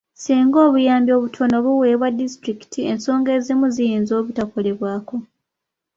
Singa obuyambi obutono buweebwa disitulikiti, ensonga ezimu ziyinza obutakolebwako.